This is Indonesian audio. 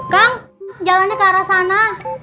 kang jalannya ke arah sana